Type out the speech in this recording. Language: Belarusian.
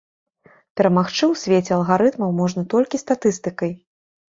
Перамагчы ў свеце алгарытмаў можна толькі статыстыкай.